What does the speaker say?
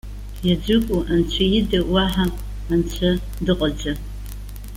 Иаӡәыку Анцәа ида уаҳа анцәа дыҟаӡам.